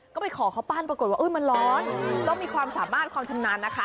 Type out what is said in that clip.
ก็ไปขอเขาปั้นปรากฏว่ามันร้อนต้องมีความสามารถความชำนาญนะคะ